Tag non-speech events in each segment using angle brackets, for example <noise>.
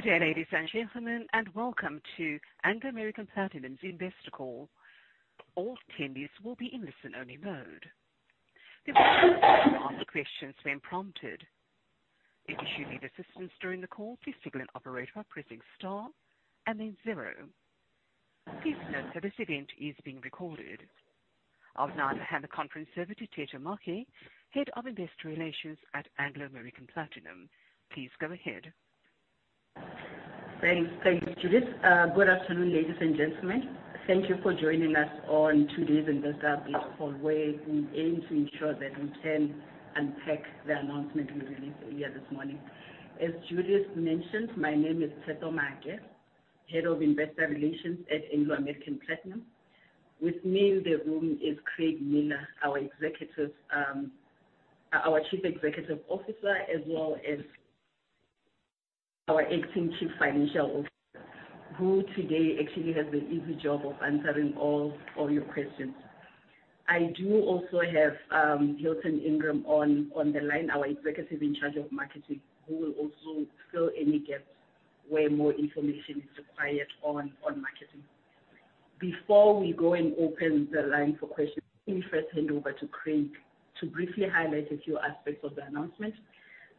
Good day, ladies and gentlemen, and welcome to Anglo American Platinum's investor call. All attendees will be in listen-only mode, to ask questions when prompted. If you need assistance during the call, please signal an operator by pressing star and then zero. Please note that this event is being recorded. I'll now hand the conference over to Theto Maake, Head of Investor Relations at Anglo American Platinum. Please go ahead. Thanks. Thank you, Judith. Good afternoon, ladies and gentlemen. Thank you for joining us on today's investor update call, where we aim to ensure that we can unpack the announcement we released earlier this morning. As Judith mentioned, my name is Theto Maake, Head of Investor Relations at Anglo American Platinum. With me in the room is Craig Miller, our executive, our Chief Executive Officer, as well as our acting Chief Financial Officer, who today actually has the easy job of answering all your questions. I do also have Hilton Ingram on the line, our executive in charge of marketing, who will also fill any gaps where more information is required on marketing. Before we go and open the line for questions, let me first hand over to Craig to briefly highlight a few aspects of the announcement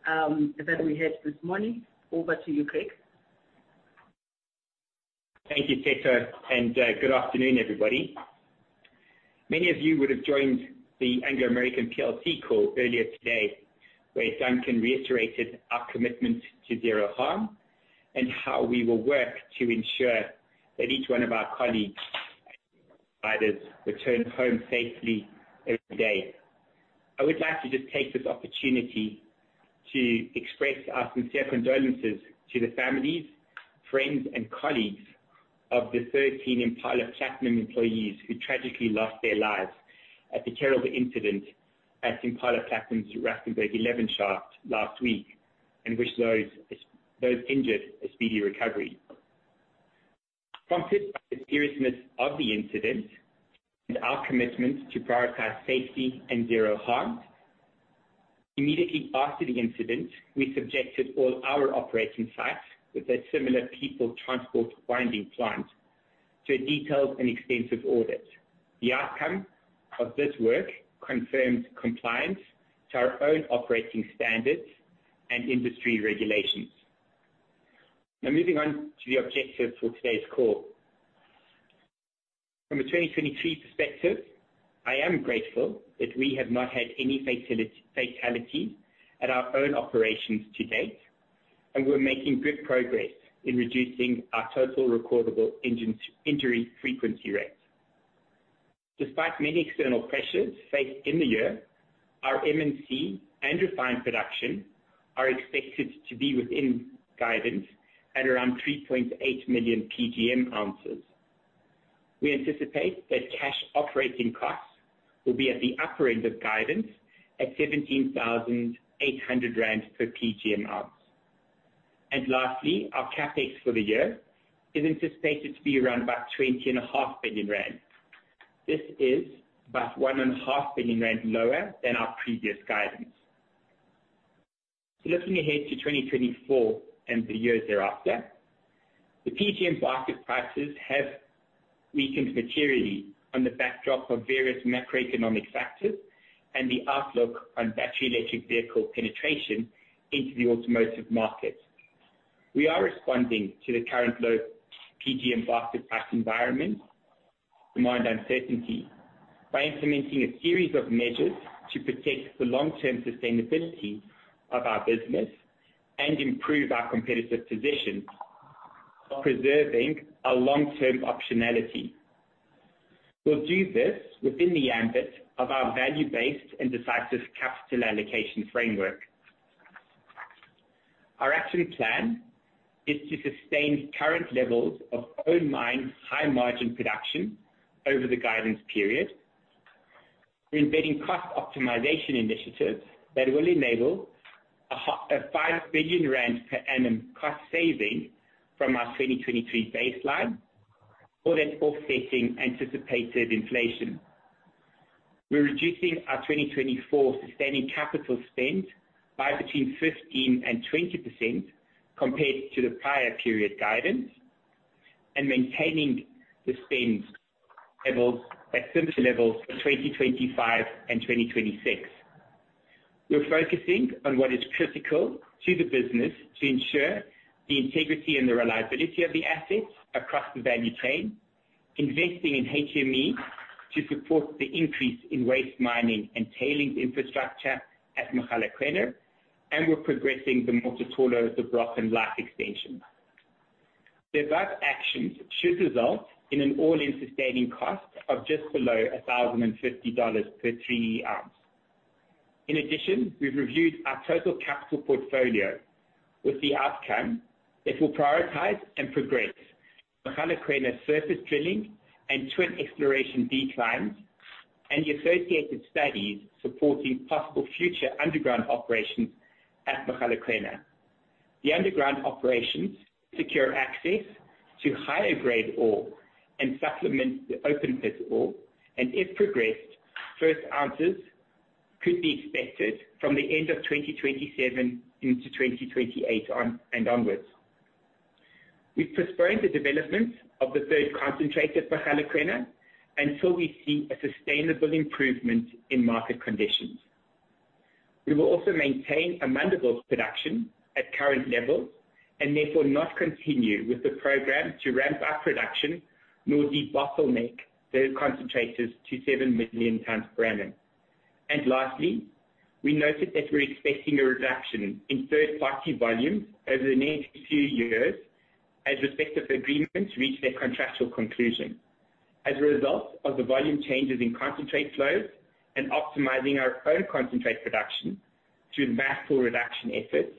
that we had this morning. Over to you, Craig. Thank you, Theto, and good afternoon, everybody. Many of you would have joined the Anglo American plc call earlier today, where Duncan reiterated our commitment to zero harm and how we will work to ensure that each one of our colleagues return home safely every day. I would like to just take this opportunity to express our sincere condolences to the families, friends, and colleagues of the 13 Impala Platinum employees who tragically lost their lives at the terrible incident at Impala Platinum's Rustenburg 11 shaft last week, and wish those, those injured a speedy recovery. Prompted by the seriousness of the incident and our commitment to prioritize safety and zero harm, immediately after the incident, we subjected all our operating sites with a similar people transport mining plant to a detailed and extensive audit. The outcome of this work confirms compliance to our own operating standards and industry regulations. Now, moving on to the objectives for today's call. From a 2023 perspective, I am grateful that we have not had any fatalities at our own operations to date, and we're making good progress in reducing our total recordable injury frequency rate. Despite many external pressures faced in the year, our M&C and refined production are expected to be within guidance at around 3.8 million PGM ounces. We anticipate that cash operating costs will be at the upper end of guidance at 17,800 rand per PGM ounce. And lastly, our CapEx for the year is anticipated to be around about 20.5 billion rand. This is about 1.5 billion rand lower than our previous guidance. So looking ahead to 2024 and the years thereafter, the PGM market prices have weakened materially on the backdrop of various macroeconomic factors and the outlook on battery electric vehicle penetration into the automotive market. We are responding to the current low PGM market price environment, demand uncertainty by implementing a series of measures to protect the long-term sustainability of our business and improve our competitive position, preserving our long-term optionality. We'll do this within the ambit of our value-based and decisive capital allocation framework. Our action plan is to sustain current levels of own mine, high-margin production over the guidance period. We're embedding cost optimization initiatives that will enable a 5 billion rand per annum cost saving from our 2023 baseline for that offsetting anticipated inflation. We're reducing our 2024 sustaining capital spend by between 15% and 20% compared to the prior period guidance, and maintaining the spend levels at similar levels for 2025 and 2026. We're focusing on what is critical to the business to ensure the integrity and the reliability of the assets across the value chain. Investing in HME to support the increase in waste mining and tailings infrastructure at Mogalakwena, and we're progressing the Mototolo, Der Brochen and life extension. The above actions should result in an all-in sustaining cost of just below $1,050 per 3 ounce. In addition, we've reviewed our total capital portfolio, with the outcome that will prioritize and progress Mogalakwena surface drilling and twin exploration declines, and the associated studies supporting possible future underground operations at Mogalakwena. The underground operations secure access to higher grade ore and supplement the open pit ore, and if progressed, first ounces could be expected from the end of 2027 into 2028 on and onwards. We've postponed the development of the third concentrator for Mogalakwena until we see a sustainable improvement in market conditions. We will also maintain Amandelbult production at current levels, and therefore not continue with the program to ramp up production, nor debottleneck those concentrators to 7 million tons per annum. And lastly, we noted that we're expecting a reduction in third party volumes over the next few years as respective agreements reach their contractual conclusion. As a result of the volume changes in concentrate flows and optimizing our own concentrate production through the backlog reduction efforts,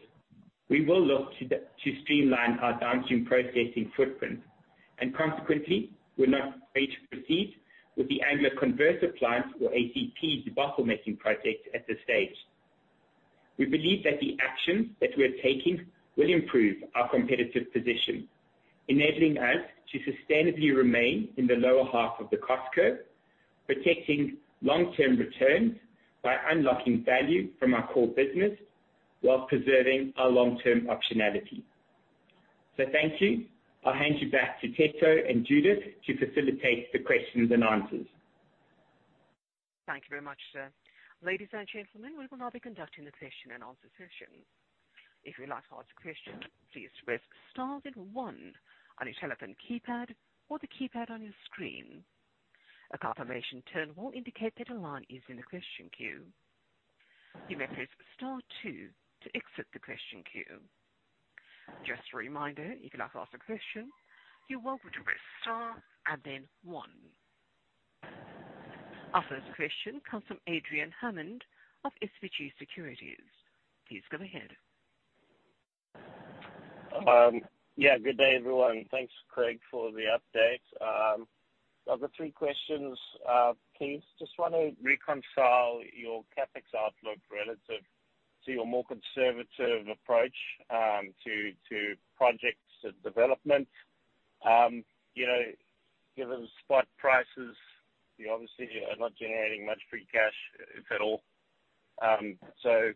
we will look to streamline our downstream processing footprint. And consequently, we're not ready to proceed with the Anglo Converter Plant, or ACP, debottlenecking project at this stage. We believe that the actions that we are taking will improve our competitive position, enabling us to sustainably remain in the lower half of the cost curve, protecting long-term returns by unlocking value from our core business while preserving our long-term optionality. So thank you. I'll hand you back to Theto and Judith to facilitate the questions and answers. Thank you very much, sir. Ladies and gentlemen, we will now be conducting the question and answer session. If you'd like to ask a question, please press star then one on your telephone keypad or the keypad on your screen. A confirmation tone will indicate that a line is in the question queue. You may press star two to exit the question queue. Just a reminder, if you'd like to ask a question, you're welcome to press star and then one. Our first question comes from Adrian Hammond of SBG Securities. Please go ahead. Yeah, good day, everyone. Thanks, Craig, for the update. I've got three questions. Please, just want to reconcile your CapEx outlook relative to your more conservative approach to, to projects and development. You know, given the spot prices, you obviously are not generating much free cash, if at all. So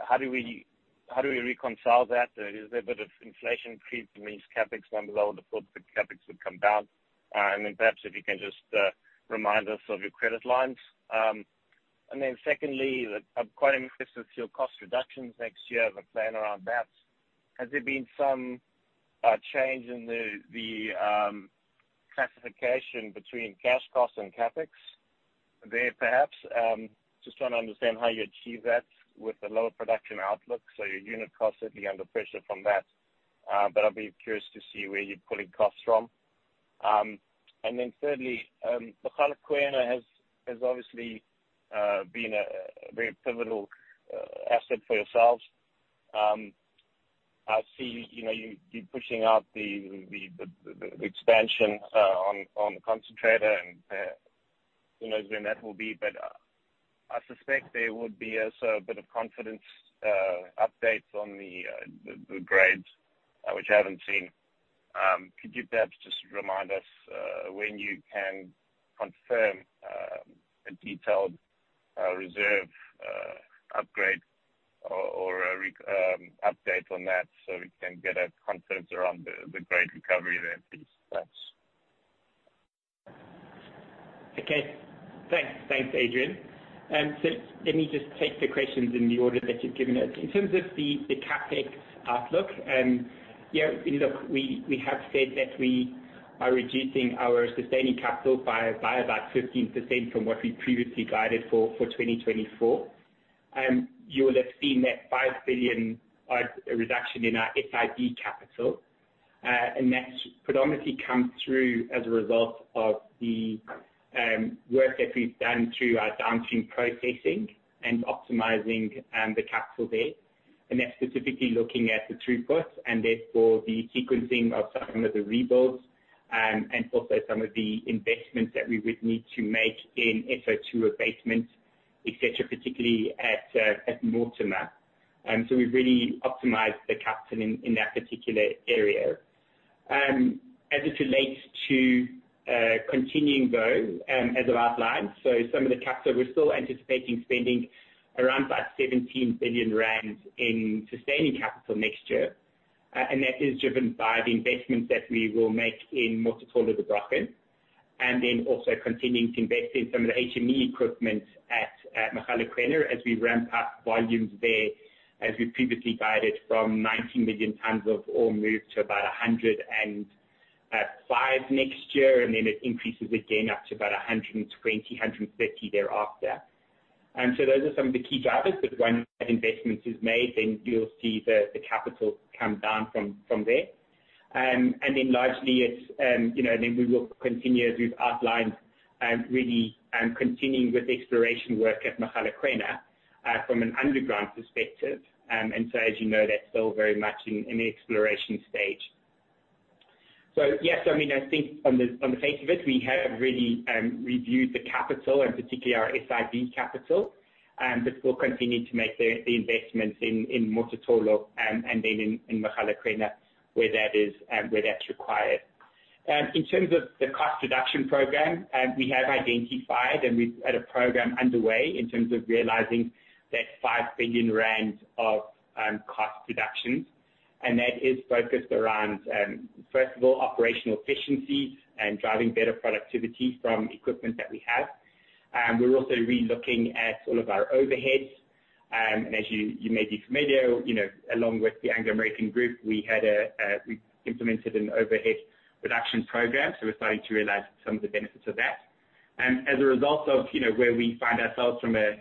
how do we, how do we reconcile that? Is there a bit of inflation creep in these CapEx numbers, or the CapEx would come down? And then perhaps if you can just remind us of your credit lines. And then secondly, I'm quite interested with your cost reductions next year, the plan around that. Has there been some change in the, the classification between cash costs and CapEx there, perhaps? Just trying to understand how you achieve that with the lower production outlook, so your unit costs will be under pressure from that. But I'll be curious to see where you're pulling costs from. And then thirdly, Mogalakwena has obviously been a very pivotal asset for yourselves. I see, you know, you pushing out the expansion on the concentrator, and who knows when that will be. But I suspect there would be also a bit of confidence updates on the grades, which I haven't seen. Could you perhaps just remind us when you can confirm a detailed reserve upgrade or an update on that, so we can get a confidence around the grade recovery there, please? Thanks. Okay. Thanks. Thanks, Adrian. So let me just take the questions in the order that you've given us. In terms of the CapEx outlook, yeah, look, we have said that we are reducing our sustaining capital by about 15% from what we previously guided for 2024. You will have seen that 5 billion reduction in our SIB capital, and that's predominantly come through as a result of the work that we've done through our downstream processing and optimizing the capital there. And that's specifically looking at the throughput, and therefore the sequencing of some of the rebuilds, and also some of the investments that we would need to make in SO2 abatement, et cetera, particularly at Mortimer. So we've really optimized the capital in that particular area. As it relates to continuing though, as I've outlined, so some of the capital, we're still anticipating spending around about 17 billion rand in sustaining capital next year. And that is driven by the investments that we will make in Mototolo Der Brochen, and then also continuing to invest in some of the HME equipment at Mogalakwena, as we ramp up volumes there, as we previously guided from 19 million tons of ore moved to about 105 next year, and then it increases again up to about 120, 150 thereafter. And so those are some of the key drivers, but once that investment is made, then you'll see the capital come down from there. And then largely it's, you know, then we will continue as we've outlined, really continuing with the exploration work at Mogalakwena, from an underground perspective. And so as you know, that's still very much in the exploration stage. So yes, I mean, I think on the face of it, we have really reviewed the capital, and particularly our SIB capital, but we'll continue to make the investments in Mototolo, and then in Mogalakwena, where that is, where that's required. In terms of the cost reduction program, we have identified and we've had a program underway in terms of realizing that 5 billion rand of cost reductions. And that is focused around, first of all, operational efficiency and driving better productivity from equipment that we have. We're also relooking at all of our overheads. And as you, you may be familiar, you know, along with the Anglo American Group, we had a, we implemented an overhead reduction program, so we're starting to realize some of the benefits of that. As a result of, you know, where we find ourselves from a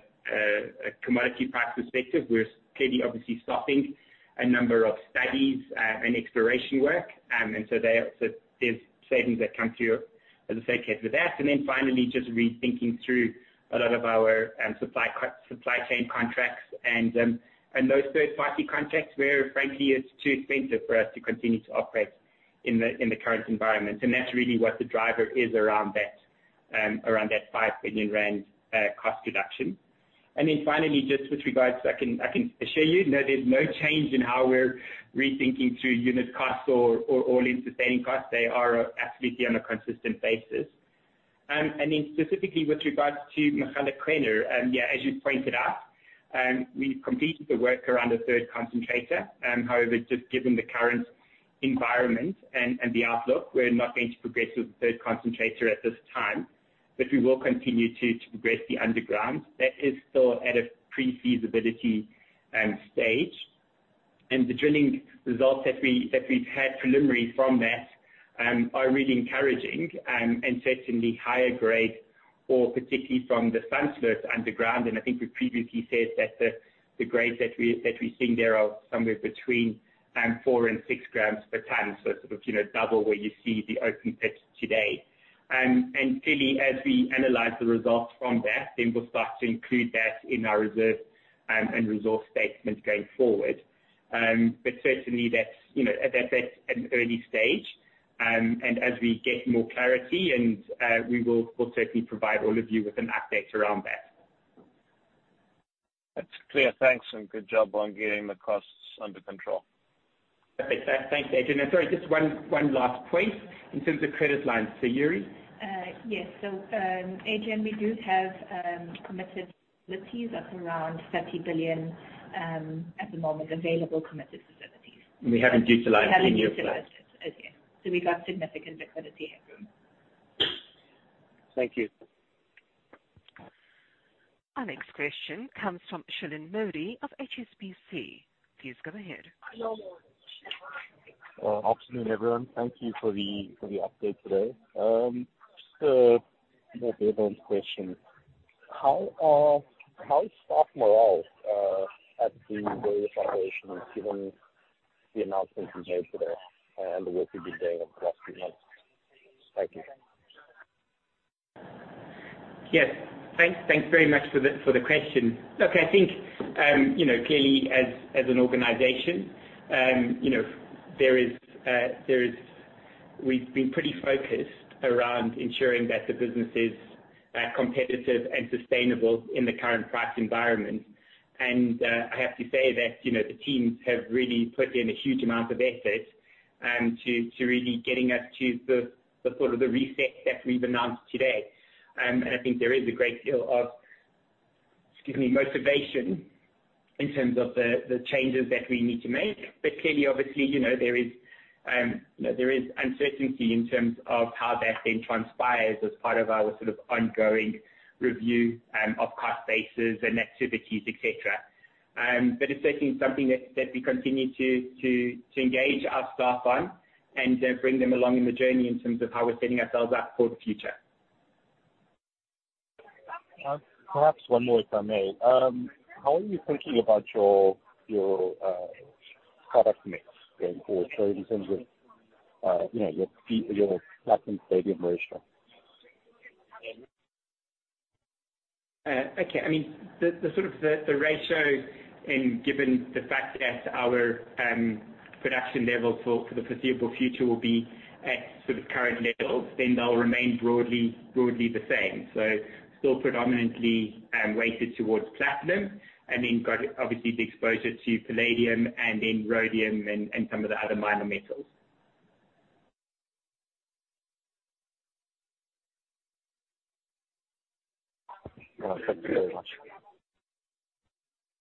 commodity price perspective, we're clearly obviously stopping a number of studies, and exploration work. And so there's savings that come through as a circuit with that. And then finally, just rethinking through a lot of our supply chain contracts and, and those third party contracts, where frankly, it's too expensive for us to continue to operate in the current environment. And that's really what the driver is around that 5 billion rand cost reduction. And then finally, just with regards, I can assure you that there's no change in how we're rethinking through unit costs or all-in sustaining costs. They are absolutely on a consistent basis. And then specifically with regards to Mogalakwena, yeah, as you pointed out, we've completed the work around the third concentrator. However, just given the current environment and the outlook, we're not going to progress with the third concentrator at this time. But we will continue to progress the underground. That is still at a pre-feasibility stage. And the drilling results that we've had preliminary from that are really encouraging, and certainly higher grade ore particularly from the Merensky underground. I think we previously said that the grades that we're seeing there are somewhere between 4-6 grams per ton. So sort of, you know, double where you see the open pit today. And clearly, as we analyze the results from that, then we'll start to include that in our reserve and resource statement going forward. But certainly that's, you know, at an early stage. And as we get more clarity and we'll certainly provide all of you with an update around that. That's clear. Thanks, and good job on getting the costs under control. Okay, thanks, Adrian. And sorry, just one last point in terms of credit lines for Sayurie. Yes. So, Adrian, we do have committed facilities of around 30 billion at the moment, available committed facilities. We haven't utilized any of that. Haven't utilized it, again. So we've got significant liquidity headroom. Thank you. Our next question comes from Shilan Modi of HSBC. Please go ahead. Afternoon, everyone. Thank you for the, for the update today. Just a behavioral question. How, how is staff morale at the various operations, given the announcements you made today, and the work you've been doing over the last few months? Thank you. Yes. Thanks, thanks very much for the, for the question. Look, I think, you know, clearly as, as an organization, you know, there is, there is- we've been pretty focused around ensuring that the business is, competitive and sustainable in the current price environment. And, I have to say that, you know, the teams have really put in a huge amount of effort, to, to really getting us to the, the sort of the reset that we've announced today. And I think there is a great deal of, excuse me, motivation in terms of the, the changes that we need to make. But clearly, obviously, you know, there is, you know, there is uncertainty in terms of how that then transpires as part of our sort of ongoing review, of cost bases and activities, et-cetera. But it's certainly something that we continue to engage our staff on, and bring them along in the journey in terms of how we're setting ourselves up for the future. Perhaps one more, if I may. How are you thinking about your product mix going forward in terms of, you know, your platinum, palladium ratio? Okay. I mean, the sort of ratio and given the fact that our production levels for the foreseeable future will be at sort of current levels, then they'll remain broadly the same. So still predominantly weighted towards platinum, and then got obviously the exposure to Palladium and then Rhodium and some of the other minor metals. Well, thank you very much.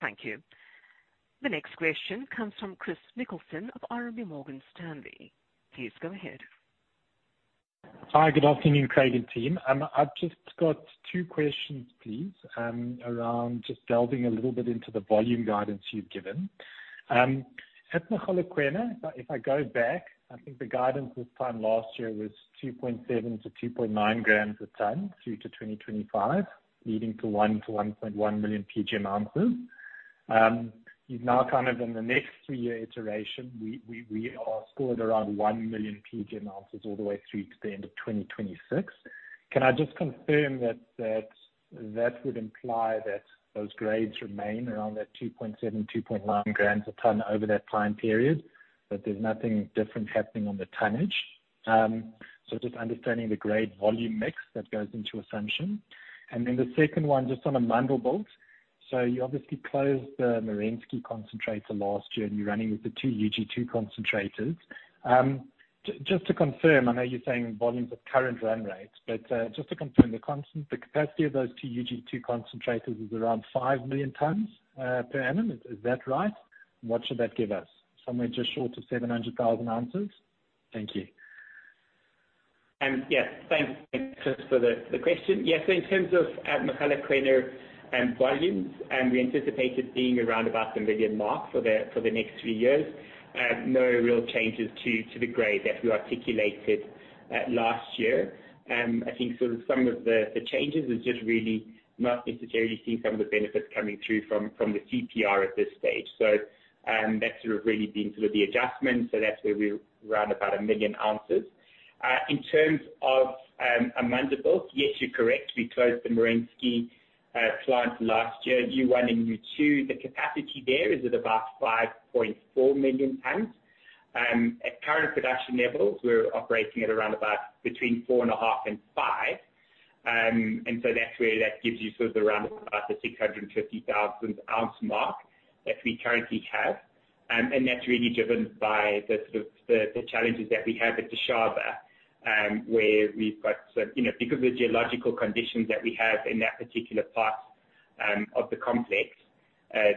Thank you. The next question comes from Chris Nicholson of RMB Morgan Stanley. Please go ahead. Hi, good afternoon, Craig and team. I've just got two questions, please, around just delving a little bit into the volume guidance you've given. At Mogalakwena, if I go back, I think the guidance this time last year was 2.7-2.9 grams a ton, through to 2025, leading to 1 million -1.1 million PGM ounces. You're now kind of in the next three-year iteration, we are still at around 1 million PGM ounces all the way through to the end of 2026. Can I just confirm that would imply that those grades remain around that 2.7-2.9 grams a ton over that time period, that there's nothing different happening on the tonnage? So just understanding the grade volume mix that goes into assumption. And then the second one, just on Amandelbult. So you obviously closed the Merensky concentrator last year, and you're running with the two UG2 concentrators. Just to confirm, I know you're saying volumes of current run rates, but just to confirm, the capacity of those two UG2 concentrators is around 5 million tons per annum. Is that right? What should that give us? Somewhere just short of 700,000 ounces? Thank you. Yes, thanks, Chris, for the question. Yes, so in terms of Mogalakwena volumes, and we anticipated being around about the million mark for the next few years. No real changes to the grade that we articulated last year. I think sort of some of the changes is just really not necessarily seeing some of the benefits coming through from the CPR at this stage. So, that's sort of really been sort of the adjustment. So that's where we're round about a million ounces. In terms of Amandelbult, yes, you're correct. We closed the Merensky plant last year, U1 and U2. The capacity there is at about 5.4 million tons. At current production levels, we're operating at around about between 4.5 and 5. And so that's where that gives you sort of around about the 650,000 ounce mark that we currently have. And that's really driven by the sort of, the, the challenges that we have at the Dishaba, where we've got some, you know, because of the geological conditions that we have in that particular part, of the complex,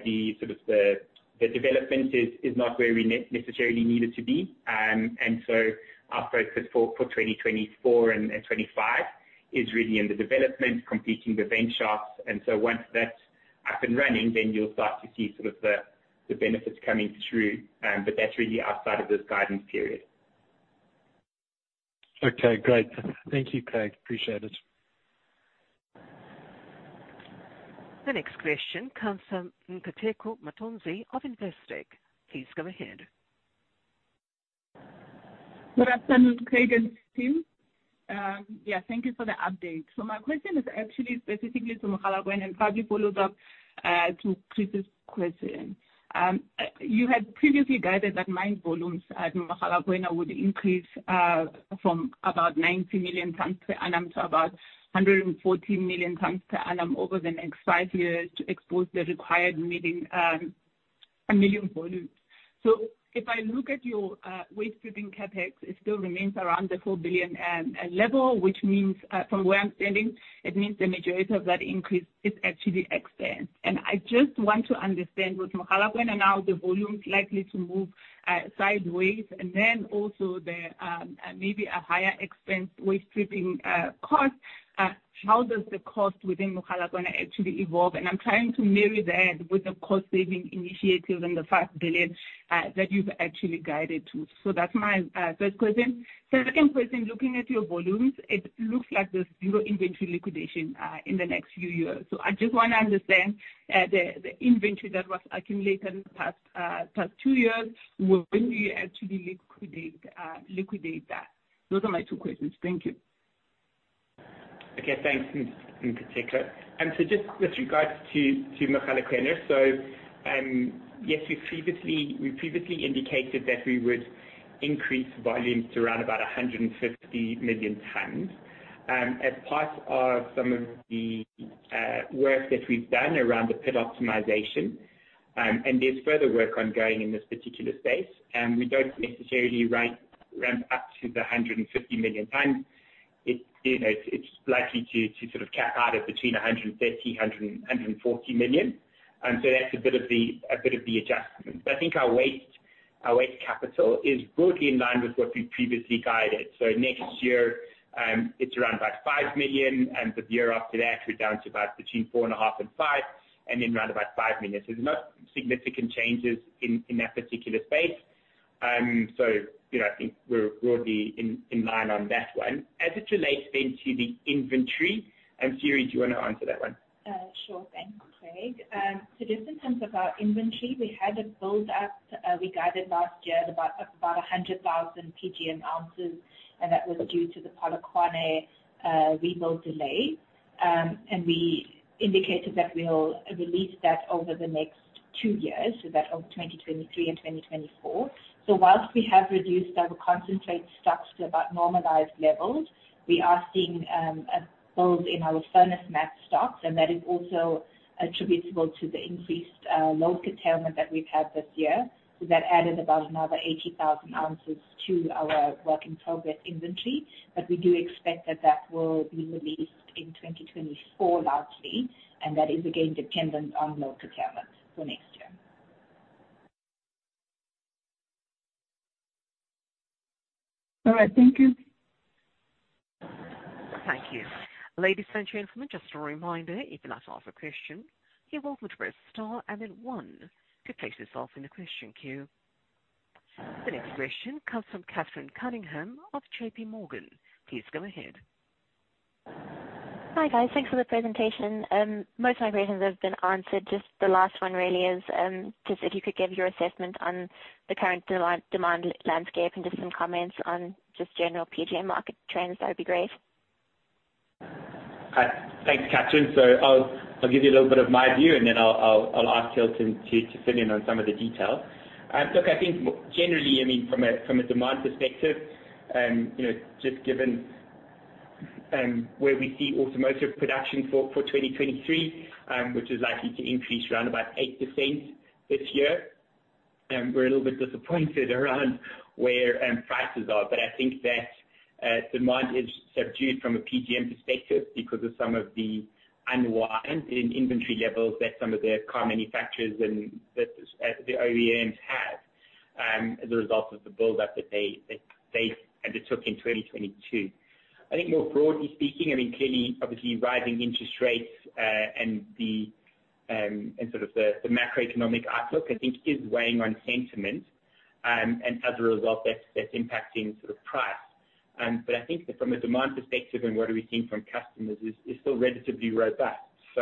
the sort of the, the development is, is not where we necessarily need it to be. And so our focus for, for 2024 and 2025 is really in the development, completing the vent shafts. And so once that's up and running, then you'll start to see sort of the, the benefits coming through. But that's really outside of this guidance period. Okay, great. Thank you, Craig. Appreciate it. The next question comes from Nkateko Mathonsi of Investec. Please go ahead. Good afternoon, Craig and team. Yeah, thank you for the update. So my question is actually specifically to Mogalakwena, and probably follow up to Chris's question. You had previously guided that mine volumes at Mogalakwena would increase from about 90 million tons per annum to about 114 million tons per annum over the next five years to expose the required 1 million volumes. So if I look at your waste stripping CapEx, it still remains around the 4 billion level, which means from where I'm standing, it means the majority of that increase is actually expense. And I just want to understand with Mogalakwena, now the volume's likely to move sideways, and then also the maybe a higher expense waste stripping cost. How does the cost within Mogalakwena actually evolve? I'm trying to marry that with the cost-saving initiatives and the 5 billion that you've actually guided to. So that's my first question. The second question, looking at your volumes, it looks like there's 0 inventory liquidation in the next few years. So I just wanna understand the inventory that was accumulated in the past two years, when will you actually liquidate that? Those are my two questions. Thank you. Okay, thanks, Nkateko. So just with regards to Mogalakwena, yes, we previously indicated that we would increase volumes to around about 150 million tons. As part of some of the work that we've done around the pit optimization. And there's further work ongoing in this particular space, and we don't necessarily ramp up to the 150 million tons. It's, you know, it's likely to sort of cap out at between 130-140 million. And so that's a bit of the adjustment. I think our waste capital is broadly in line with what we've previously guided. So next year, it's around about 5 million, and the year after that, we're down to about between 4.5 and 5, and then around about 5 million. There's not significant changes in that particular space. So, you know, I think we're in line on that one. As it relates then to the inventory, Sayurie, do you wanna answer that one? Sure. Thanks, Craig. So just in terms of our inventory, we had a build-up. We guided last year at about 100,000 PGM ounces, and that was due to the Polokwane rebuild delay. We indicated that we'll release that over the next 2 years, so that of 2023 and 2024. So while we have reduced our concentrate stocks to about normalized levels, we are seeing a build in our furnace matte stocks, and that is also attributable to the increased load curtailment that we've had this year. So that added about another 80,000 ounces to our work-in-progress inventory, but we do expect that that will be released in 2024, largely, and that is again dependent on load curtailment for next year. All right. Thank you. Thank you. Ladies, gentlemen, just a reminder, if you'd like to ask a question, you're welcome to press star and then one to place yourself in the question queue. The next question comes from Catherine Cunningham of JP Morgan. Please go ahead. Hi, guys. Thanks for the presentation. Most of my questions have been answered. Just the last one really is, just if you could give your assessment on the current demand landscape and just some comments on just general PGM market trends, that would be great. Thanks, Catherine. So I'll give you a little bit of my view, and then I'll ask Hilton to fill in on some of the detail. Look, I think generally, I mean, from a demand perspective, you know, just given where we see automotive production for 2023, which is likely to increase around about 8% this year. We're a little bit disappointed around where prices are, but I think that demand is subdued from a PGM perspective because of some of the unwind in inventory levels that some of the car manufacturers and the OEMs have as a result of the build up that they undertook in 2022. I think more broadly speaking, I mean, clearly, obviously, rising interest rates, and the, and sort of the macroeconomic outlook, I think is weighing on sentiment. And as a result, that's impacting sort of price. But I think that from a demand perspective and what are we seeing from customers is still relatively robust. So,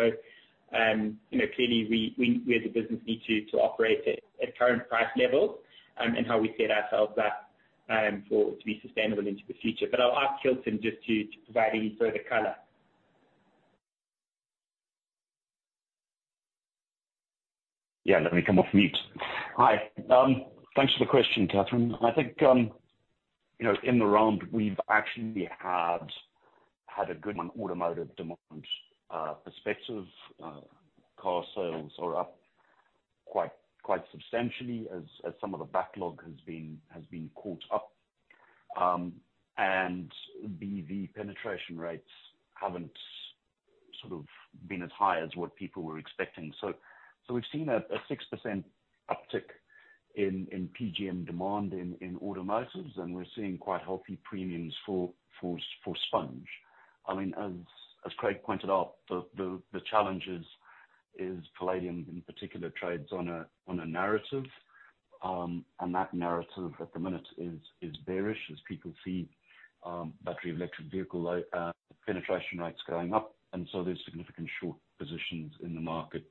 you know, clearly we as a business need to operate at current price levels, and how we set ourselves up for it to be sustainable into the future. But I'll ask Hilton just to provide any further color. Yeah, let me come off mute. Hi, thanks for the question, Catherine. I think, you know, in the round, we've actually had a good on automotive demand perspective. Car sales are up quite substantially as some of the backlog has been caught up. And the penetration rates haven't sort of been as high as what people were expecting. So we've seen a 6% uptick in PGM demand in automotives, and we're seeing quite healthy premiums for sponge. I mean, as Craig pointed out, the challenge is Palladium in particular, trades on a narrative. And that narrative at the minute is bearish, as people see battery electric vehicle penetration rates going up. So there's significant short positions in the market,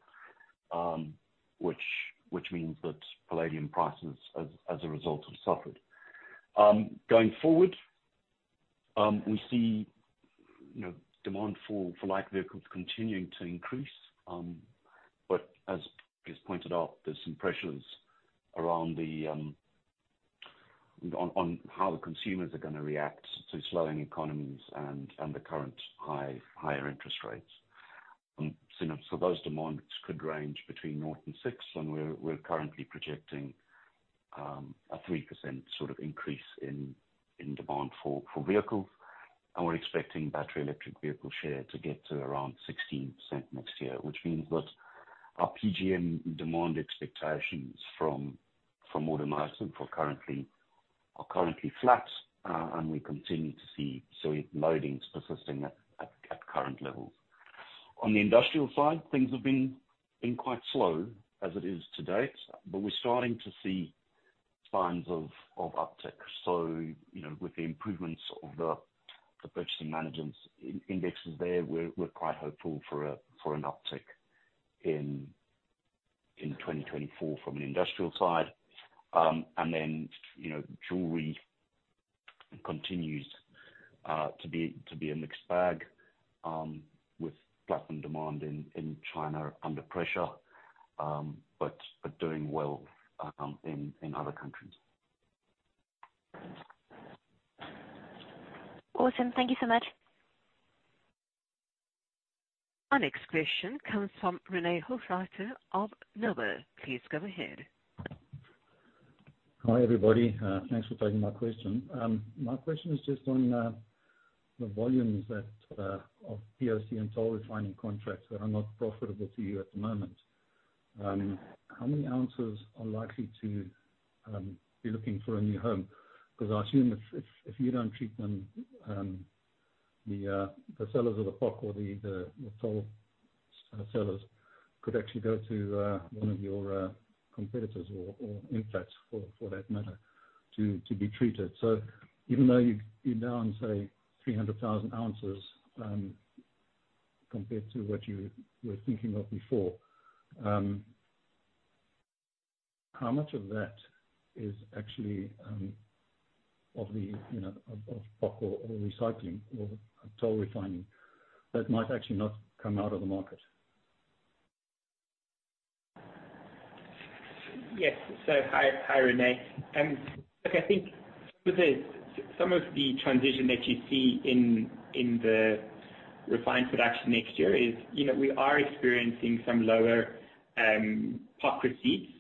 which means that palladium prices, as a result, have suffered. Going forward, we see, you know, demand for light vehicles continuing to increase. But as is pointed out, there's some pressures around the on how the consumers are gonna react to slowing economies and the current higher interest rates. So those demands could range between 0 and 6, and we're currently projecting a 3% sort of increase in demand for vehicles. And we're expecting battery electric vehicle share to get to around 16% next year, which means that our PGM demand expectations from automotive are currently flat. And we continue to see sorry, loadings persisting at current levels. On the industrial side, things have been quite slow as it is to date, but we're starting to see signs of uptick. So, you know, with the improvements of the purchasing management indexes there, we're quite hopeful for an uptick in 2024 from an industrial side. And then, you know, jewelry continues to be a mixed bag, with platinum demand in China under pressure, but doing well in other countries. Awesome. Thank you so much. Our next question comes from René Hochreiter of Noah. Please go ahead. Hi, everybody. Thanks for taking my question. My question is just on the volumes that of POC and toll refining contracts that are not profitable to you at the moment. How many ounces are likely to be looking for a new home? 'Cause I assume if you don't treat them, the sellers of the POC or the toll sellers could actually go to one of your competitors or Impala, for that matter, to be treated. So even though you're down, say, 300,000 ounces, compared to what you were thinking of before, how much of that is actually of the, you know, of POC or recycling or toll refining, that might actually not come out of the market? Yes. So hi, hi, Renee. Look, I think some of the transition that you see in the refined production next year is, you know, we are experiencing some lower POC receipts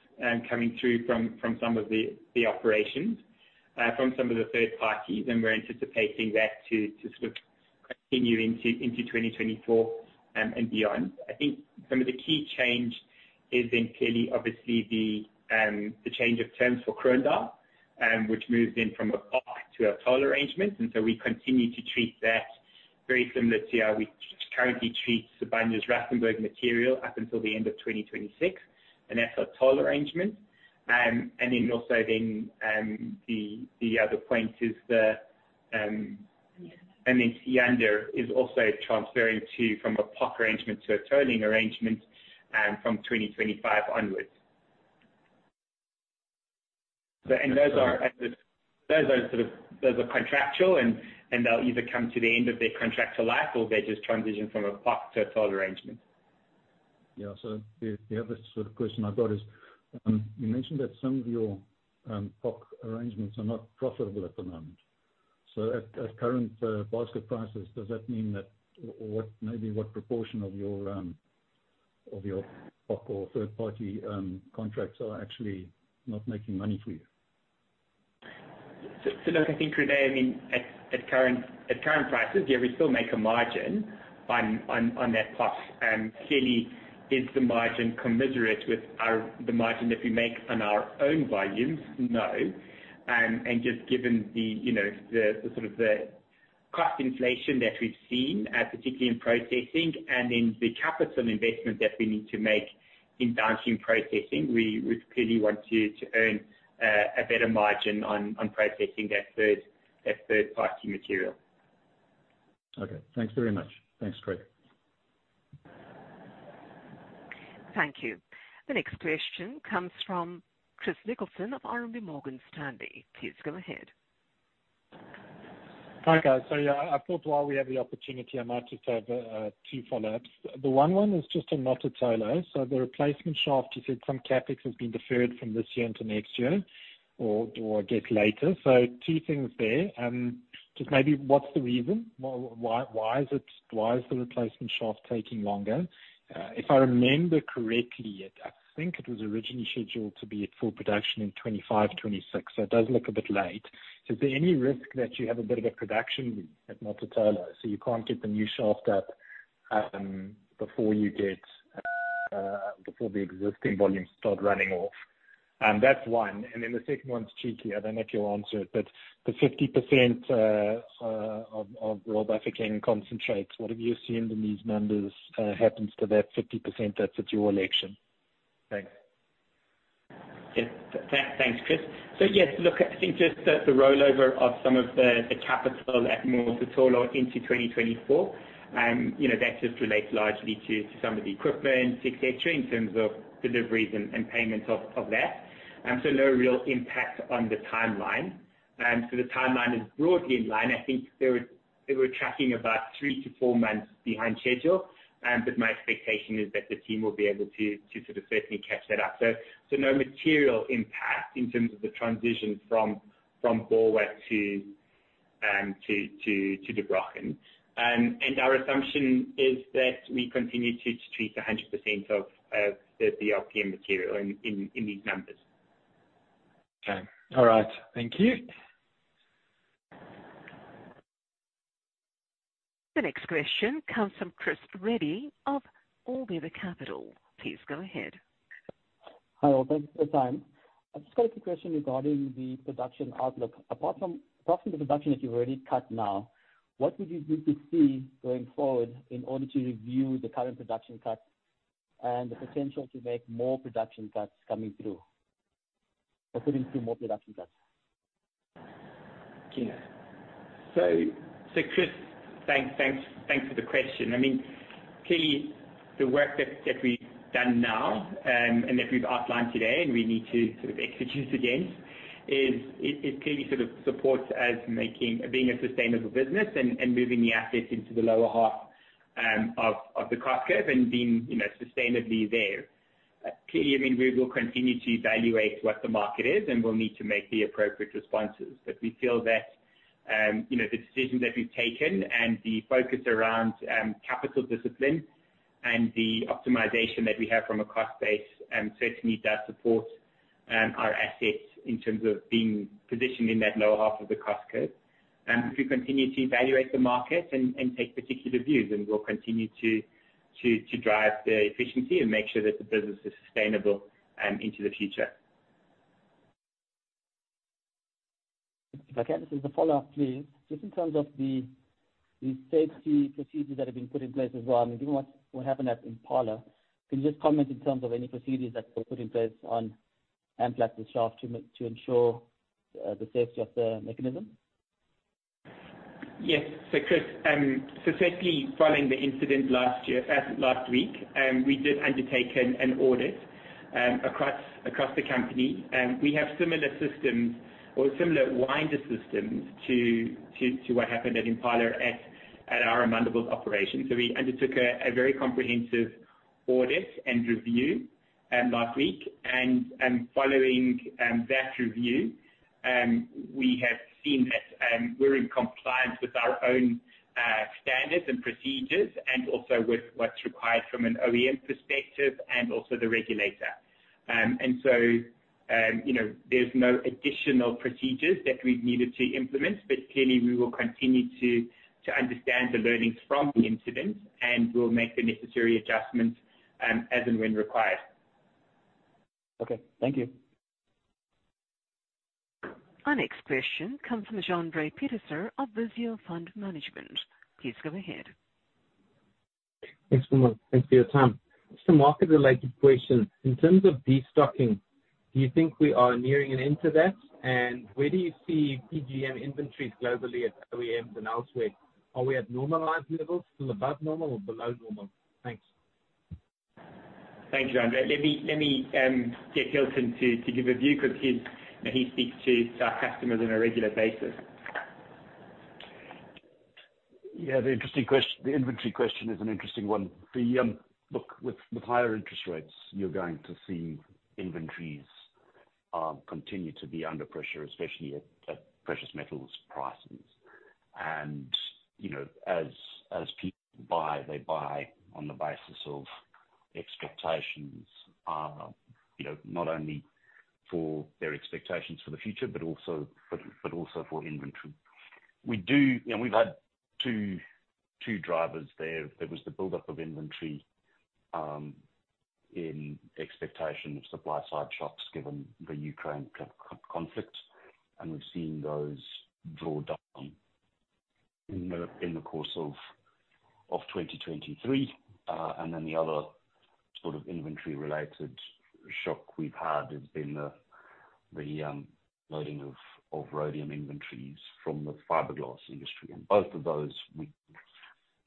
coming through from some of the operations from some of the third parties. And we're anticipating that to sort of continue into 2024 and beyond. I think some of the key change is in clearly, obviously the change of terms for Kroondal, which moves in from a POC to a toll arrangement. And so we continue to treat that very similar to how we currently treat Sibanye-Stillwater material up until the end of 2026, and that's our toll arrangement. And then also then, the other point is the Marikana is also transferring from a POC arrangement to a toll arrangement, from 2025 onwards. So, and those are... Those are sort of, those are contractual, and, and they'll either come to the end of their contractual life or they just transition from a POC to a toll arrangement.... Yeah, so the other sort of question I've got is, you mentioned that some of your POC arrangements are not profitable at the moment. So at current basket prices, does that mean that, or what, maybe what proportion of your POC or third party contracts are actually not making money for you? So look, I think, Renée, I mean, at current prices, yeah, we still make a margin on that POC. And clearly, is the margin commensurate with the margin that we make on our own volumes? No. And just given the, you know, the cost inflation that we've seen, particularly in processing and in the capital investment that we need to make in downstream processing, we clearly want to earn a better margin on processing that third party material. Okay, thanks very much. Thanks, Craig. Thank you. The next question comes from Chris Nicholson of RMB Morgan Stanley. Please go ahead. Hi, guys. So yeah, I thought while we have the opportunity, I might just have two follow-ups. The one is just on Mototolo. So the replacement shaft, you said some CapEx has been deferred from this year into next year, or get later. So two things there, just maybe what's the reason? Why is the replacement shaft taking longer? If I remember correctly, I think it was originally scheduled to be at full production in 2025, 2026, so it does look a bit late. So is there any risk that you have a bit of a production at Mototolo, so you can't get the new shaft up, before you get, before the existing volumes start running off? That's one. And then the second one's tricky. I don't know if you'll answer it, but the 50% of South African concentrates, what have you assumed in these numbers happens to that 50% that's at your election? Thanks. Yeah. Thanks, Chris. So yes, look, I think just the rollover of some of the capital at Mototolo into 2024, you know, that just relates largely to some of the equipment, et-cetera, in terms of deliveries and payments of that. So no real impact on the timeline. So the timeline is broadly in line. I think they were tracking about 3-4 months behind schedule. But my expectation is that the team will be able to sort of certainly catch that up. So no material impact in terms of the transition from Borwa to Der Brochen. And our assumption is that we continue to treat 100% of the RPM material in these numbers. Okay. All right, thank you. The next question comes from Chris Sobey of Orbiter Capital. Please go ahead. Hi, all. Thanks for your time. I've just got a quick question regarding the production outlook. Apart from the production that you've already cut now, what would you need to see going forward in order to review the current production cuts and the potential to make more production cuts coming through, or putting through more production cuts? Sure. So, so Chris, thanks, thanks, thanks for the question. I mean, clearly the work that, that we've done now, and that we've outlined today, and we need to sort of execute against, it clearly sort of supports as making... Being a sustainable business and, and moving the assets into the lower half, of, of the cost curve and being, you know, sustainably there. Clearly, I mean, we will continue to evaluate what the market is, and we'll need to make the appropriate responses. But we feel that, you know, the decisions that we've taken and the focus around, capital discipline and the optimization that we have from a cost base, certainly does support, our assets in terms of being positioned in that lower half of the cost curve. We continue to evaluate the market and take particular views, and we'll continue to drive the efficiency and make sure that the business is sustainable into the future. If I can, just a follow-up, please. Just in terms of the safety procedures that have been put in place as well, I mean, given what happened at Impala, can you just comment in terms of any procedures that were put in place on personnel shaft to ensure the safety of the mechanism? Yes. So Chris, so certainly following the incident last year, last week, we did undertake an audit across the company. We have similar systems or similar winder systems to what happened at Impala at our Amandelbult operation. So we undertook a very comprehensive audit and review last week. And following that review, we have seen that we're in compliance with our own standards and procedures, and also with what's required from an OEM perspective and also the regulator. And so you know, there's no additional procedures that we've needed to implement, but clearly we will continue to understand the learnings from the incident, and we'll make the necessary adjustments as and when required. Okay, thank you. Our next question comes from Jandre Pieterse of Visio Fund Management. Please go ahead. Thanks, thanks for your time. Just a market-related question. In terms of destocking, do you think we are nearing an end to that? And where do you see PGM inventories globally at OEMs and elsewhere? Are we at normalized levels, still above normal or below normal? Thanks. Thank you, André. Let me get Hilton to give a view, because he's, you know, he speaks to our customers on a regular basis. Yeah, the interesting inventory question is an interesting one. The look, with higher interest rates, you're going to see inventories continue to be under pressure, especially at precious metals prices. And, you know, as people buy, they buy on the basis of expectations, you know, not only for their expectations for the future, but also for inventory. You know, we've had two drivers there. There was the buildup of inventory in expectation of supply side shocks, given the Ukraine conflict, and we've seen those draw down in the course of 2023. And then the other sort of inventory-related shock we've had has been the loading of rhodium inventories from the fiberglass industry. Both of those we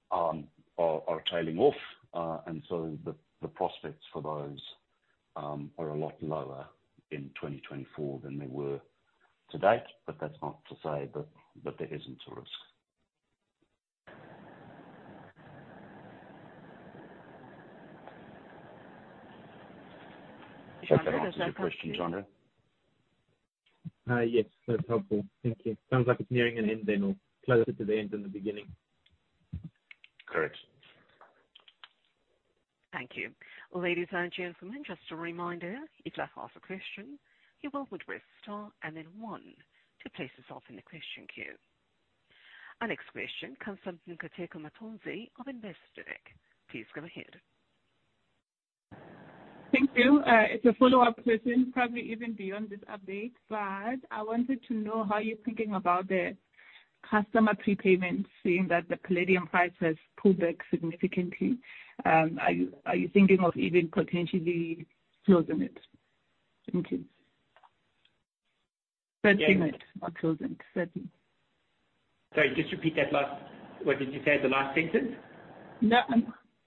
are tailing off, and so the prospects for those are a lot lower in 2024 than they were to date, but that's not to say that there isn't a risk. <crosstalk> Yes, that's helpful. Thank you. Sounds like it's nearing an end then, or closer to the end than the beginning. Correct. Thank you. Ladies and gentlemen, just a reminder, if you'd like to ask a question, you're welcome to press star and then one to place yourself in the question queue. Our next question comes from Nkateko Matonzi of Investec. Please go ahead. Thank you. It's a follow-up question, probably even beyond this update, but I wanted to know how you're thinking about the customer prepayment, seeing that the palladium price has pulled back significantly. Are you thinking of even potentially closing it? Thank you. Settling it or closing, settling. Sorry, just repeat that last... What did you say the last sentence? No,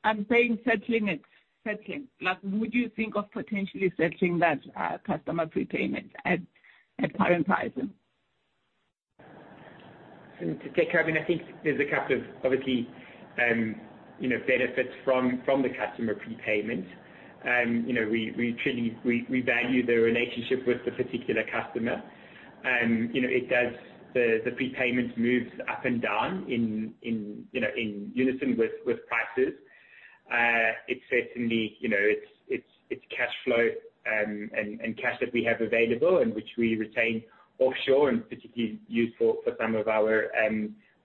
I'm saying settling it. Settling. Like, would you think of potentially settling that customer pre-payment at current prices? To take, I mean, I think there's a couple of obviously, you know, benefits from, from the customer pre-payment. You know, we, we truly, we, we value the relationship with the particular customer. You know, it does, the, the prepayment moves up and down in, in, you know, in unison with, with prices. It certainly, you know, it's, it's, it's cash flow, and, and cash that we have available and which we retain offshore and particularly useful for some of our,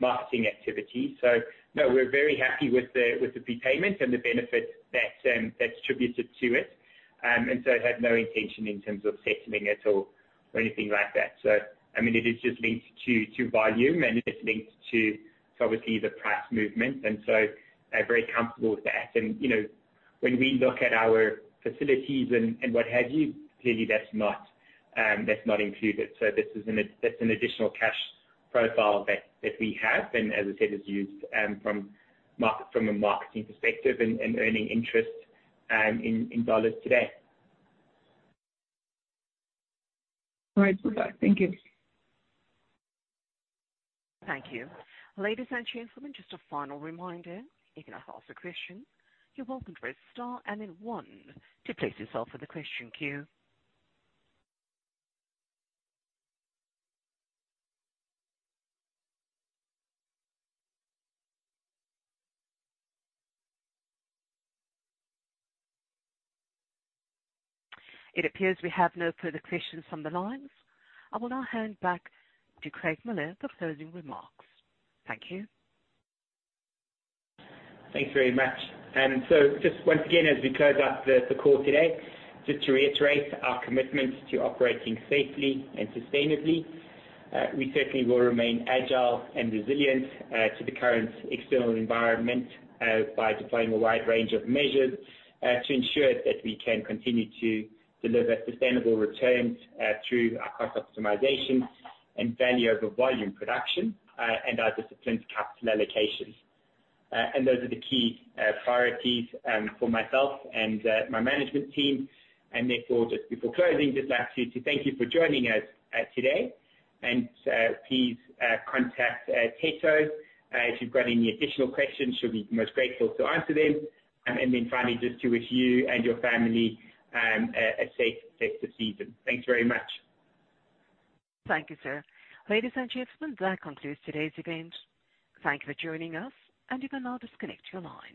marketing activities. So no, we're very happy with the, with the prepayment and the benefit that, that's attributed to it. And so have no intention in terms of settling it or, or anything like that. So, I mean, it is just linked to, to volume, and it's linked to obviously the price movement, and so I'm very comfortable with that. You know, when we look at our facilities and what have you, clearly that's not included. So this is an additional cash profile that we have, and as I said, it's used from a marketing perspective and earning interest in dollars today. All right. No problem. Thank you. Thank you. Ladies and gentlemen, just a final reminder, if you'd like to ask a question, you're welcome to press star and then one to place yourself in the question queue. It appears we have no further questions on the lines. I will now hand back to Craig Miller for closing remarks. Thank you. Thanks very much. So just once again, as we close out the call today, just to reiterate our commitment to operating safely and sustainably, we certainly will remain agile and resilient to the current external environment by deploying a wide range of measures to ensure that we can continue to deliver sustainable returns through our cost optimization and value over volume production and our disciplined capital allocations. And those are the key priorities for myself and my management team. Therefore, just before closing, just like to thank you for joining us today. And please contact Teto if you've got any additional questions; she'll be most grateful to answer them. And then finally, just to wish you and your family a safe festive season. Thanks very much. Thank you, sir. Ladies and gentlemen, that concludes today's event. Thank you for joining us, and you can now disconnect your lines.